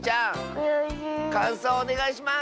かんそうをおねがいします！